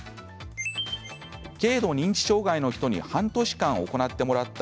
軽度認知障害の人に半年間、行ってもらった